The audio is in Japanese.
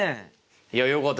いやよかった。